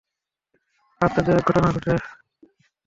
আশ্চর্য এক ঘটনা ঘটে তখন।